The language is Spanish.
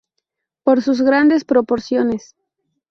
Por sus grandes proporciones.